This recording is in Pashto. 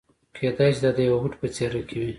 کېدای شي دا د يوه هوډ په څېره کې وي.